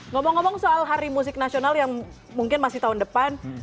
ngomong ngomong soal hari musik nasional yang mungkin masih tahun depan